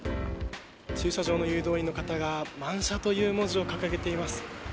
駐車場の誘導員の方が満車という文字を掲げています。